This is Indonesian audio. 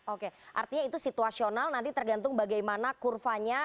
oke artinya itu situasional nanti tergantung bagaimana kurvanya